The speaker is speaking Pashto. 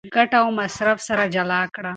ګټه او مصرف سره جلا کړه.